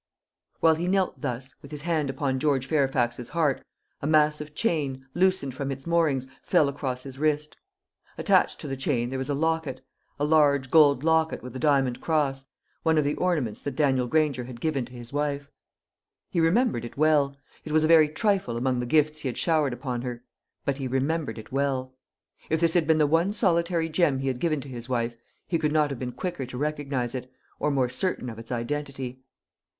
While he knelt thus, with his hand upon George Fairfax's heart, a massive chain, loosened from its moorings, fell across his wrist. Attached to the chain there was a locket a large gold locket with a diamond cross one of the ornaments that Daniel Granger had given to his wife. He remembered it well. It was a very trifle among the gifts he had showered upon her; but he remembered it well. If this had been the one solitary gem he had given to his wife, he could not have been quicker to recognise it, or more certain of its identity.